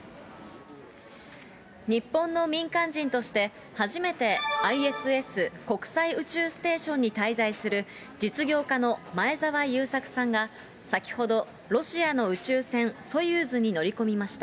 日本の民間人として初めてＩＳＳ・国際宇宙ステーションに滞在する実業家の前澤友作さんが、先ほど、ロシアの宇宙船ソユーズに乗り込みました。